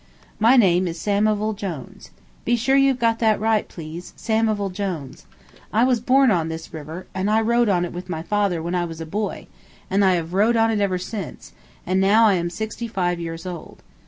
My name is Samivel Jones. Be sure you've got that right, please Samivel Jones. I was born on this river, and I rowed on it with my father when I was a boy, and I have rowed on it ever since, and now I am sixty five years old.